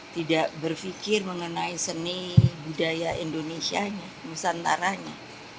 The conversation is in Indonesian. tidak berpikir mengenai seni budaya indonesianya nusantaranya